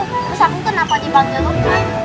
terus aku kenapa dipanggil dokter